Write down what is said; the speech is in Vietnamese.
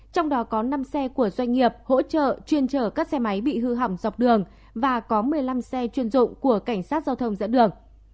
trong đó có năm xe của doanh nghiệp hỗ trợ chuyên chở các xe máy bị hư hỏng dọc đường và có một mươi năm xe chuyên dụng của cảnh sát giao thông dẫn đường